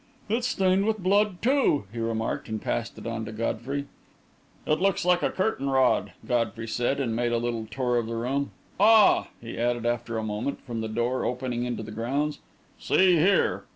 "It's stained with blood, too," he remarked, and passed it on to Godfrey. "It looks like curtain cord," Godfrey said, and made a little tour of the room. "Ah!" he added, after a moment, from the door opening into the grounds. "See here!"